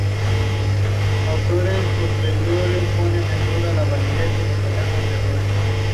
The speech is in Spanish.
Autores posteriores ponen en duda la validez de los hallazgos de Brush.